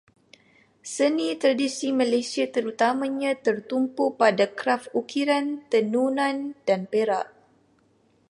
Seni tradisi Malaysia terutamanya tertumpu pada kraf ukiran, tenunan, dan perak.